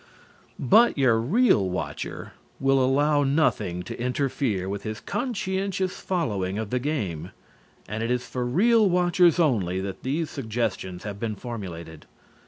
But your real watcher will allow nothing to interfere with his conscientious following of the game, and it is for real watchers only that these suggestions have been formulated.